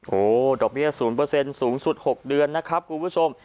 โอ้โหดอกเบี้ย๐สูงสุด๖เดือนนะครับคุณผู้ชม